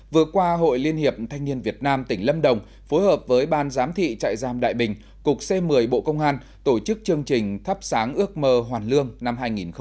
vừa qua hội liên hiệp thanh niên việt nam tỉnh lâm đồng phối hợp với ban giám thị trại giam đại bình cục c một mươi bộ công an tổ chức chương trình thắp sáng ước mơ hoàn lương năm hai nghìn hai mươi